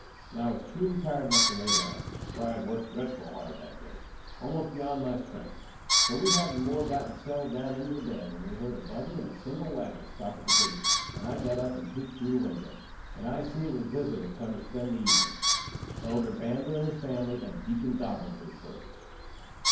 And I was truly tired enough to lay down, for I had worked dretful hard that day almost beyond my strength. But we hadn't more'n got settled down into the bed, when we heard a buggy and a single wagon stop at the gate, and I got up and peeked through the window, and I see it was visitors come to spend the evenin.' Elder Bamber and his family, and Deacon Dobbinses' folks.